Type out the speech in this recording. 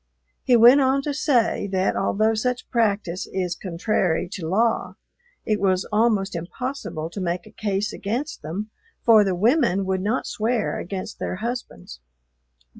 He went on to say that although such practice is contrary to law, it was almost impossible to make a case against them, for the women would not swear against their husbands.